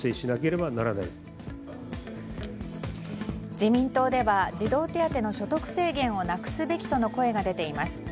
自民党では児童手当の所得制限をなくすべきとの声が出ています。